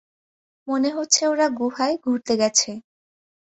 মনে হচ্ছে ওরা গুহায় ঘুরতে গেছে।